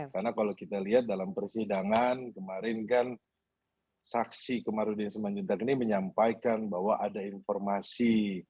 karena kalau kita lihat dalam persidangan kemarin kan saksi kamarudin siman juntak ini menyampaikan bahwa ada informasi